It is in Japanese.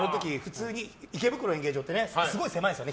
池袋演芸場ってすごい狭いんですよ。